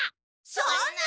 そんな！？